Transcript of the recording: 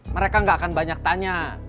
mereka gak akan banyak tanya